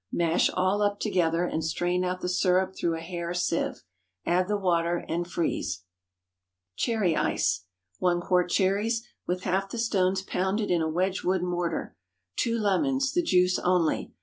Mash all up together, and strain out the syrup through a hair sieve. Add the water and freeze. CHERRY ICE. 1 quart cherries, with half the stones pounded in a Wedgewood mortar. 2 lemons—the juice only.